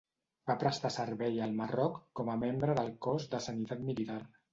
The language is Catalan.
Va prestar servei al Marroc com a membre del Cos de Sanitat Militar.